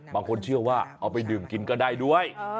บางคนเชื่อว่าเอาไปดื่มกินก็ได้ด้วย